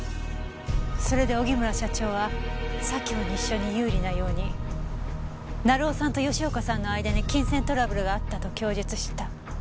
それで荻村社長は左京西署に有利なように成尾さんと吉岡さんの間に金銭トラブルがあったと供述した。